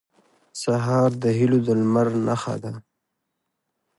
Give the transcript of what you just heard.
سهار د هيلو د لمر نښه ده.